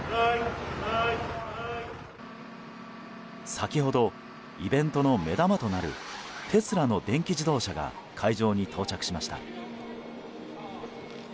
先ほど、イベントの目玉となるテスラの電気自動車が会場に到着しました。